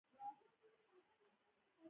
ریښتیاوو ته مو رسوي تعقیب یې کړئ.